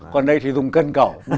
còn đây thì dùng cân cẩu